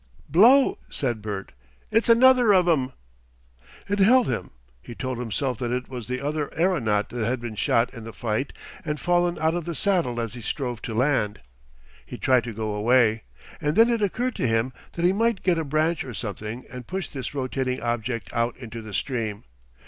"Blow!" said Bert. "It's another of 'em." It held him. He told himself that it was the other aeronaut that had been shot in the fight and fallen out of the saddle as he strove to land. He tried to go away, and then it occurred to him that he might get a branch or something and push this rotating object out into the stream.